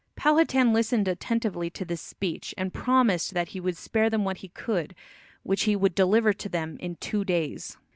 Powhatan listened attentively to this speech, and promised that he would spare them what he could, which he would deliver to them in two days.